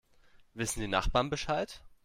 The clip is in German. Wissen die Nachbarn Bescheid?